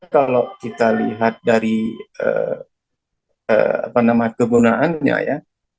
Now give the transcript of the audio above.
kalau kita lihat dari kegunaannya ya